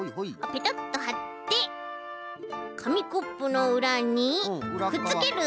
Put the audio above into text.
ペトッとはってかみコップのうらにくっつける。